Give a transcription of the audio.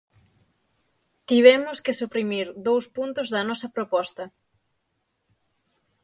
Tivemos que suprimir dous puntos da nosa proposta.